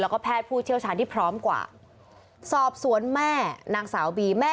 และแพทย์ผู้เชี่ยวชาญที่พร้อมกว่า